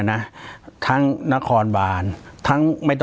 ปากกับภาคภูมิ